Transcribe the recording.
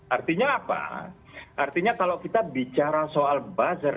artinya apa artinya kalau kita bicara soal buzzer